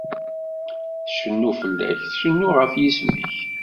Tcennu fell-ak, tcennu ɣef yisem-ik.